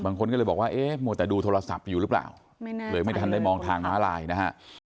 บางคนก็เลยบอกว่าเอ๊ะมัวแต่ดูโทรศัพท์อยู่หรือเปล่าเลยไม่ทันได้มองทางม้าลายนะฮะ